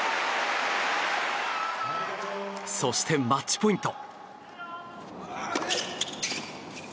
そして、マッチポイント。